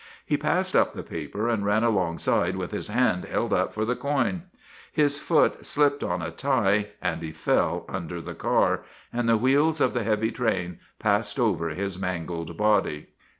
He passed up the paper and ran alongside with his hand held up for the coin. His foot slipped on a tie and he fell under the car, and the wheels of the heavy train passed over his mangled body.